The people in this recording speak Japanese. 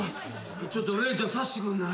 ちょっと礼ちゃんさしてくんない？